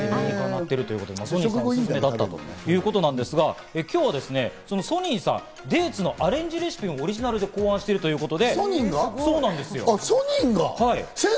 ソニンさん、おすすめだったということですけど、今日はそのソニンさん、デーツのアレンジレシピもオリジナルで考案しているということで。